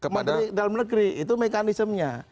menteri dalam negeri itu mekanismenya